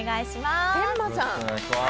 お願いします。